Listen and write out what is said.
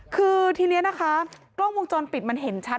คือทีนี้นะคะกล้องวงจรปิดมันเห็นชัด